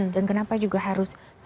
dan kenapa juga harus